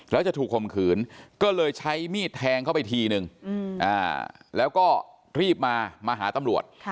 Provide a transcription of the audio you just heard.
แล้วจะถูกคมขืนก็เลยใช้มีดแทงเข้าไปทีนึงแล้วก็รีบมามาหาตำรวจ